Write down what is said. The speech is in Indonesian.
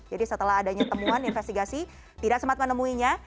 jadi setelah adanya temuan investigasi tidak sempat menemuinya